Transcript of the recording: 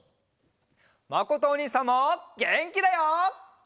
まことおにいさんもげんきだよ！